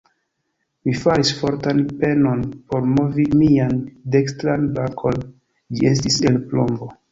Mi faris fortan penon por movi mian dekstran brakon: ĝi estis el plombo.